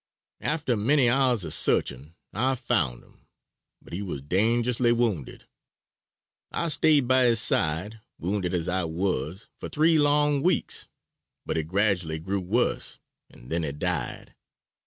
After many hours of searching I found him, but he was dangerously wounded. I stayed by his side, wounded as I was, for three long weeks, but he gradually grew worse and then he died.